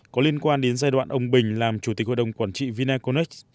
có liên quan đến giai đoạn ông bình làm chủ tịch hội đồng quản trị vinaconex